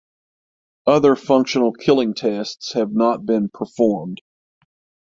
Other functional killing tests have not been performed.